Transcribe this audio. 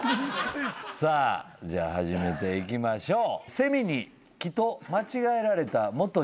さあじゃあ始めていきましょう。